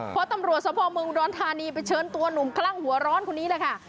พอตำรวจสภเมืองอุดรธานีไปเชิญตัวหนุ่มคลั่งหัวร้อนคนนี้แหละค่ะ